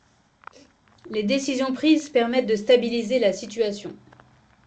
Les décisions prises permettent de stabiliser la situation.